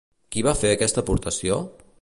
Qui va fer aquesta aportació?